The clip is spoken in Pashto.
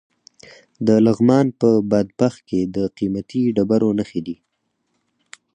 د لغمان په بادپخ کې د قیمتي ډبرو نښې دي.